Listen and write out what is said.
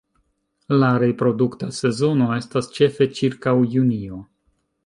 La reprodukta sezono estas ĉefe ĉirkaŭ junio.